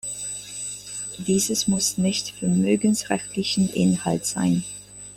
Dieses muss nicht vermögensrechtlichen Inhalts sein.